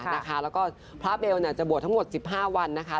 แล้วก็พระเบลจะบวชทั้งหมด๑๕วันนะคะ